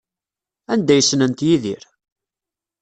Anda ay ssnent Yidir?